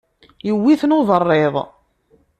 Iwwi-ten uberriḍ.